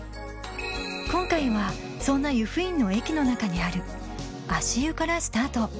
今回はそんな湯布院の駅の中にある足湯からスタート